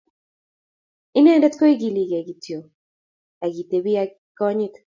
Inyendet ko ikilgei kityo akitebi ak konyit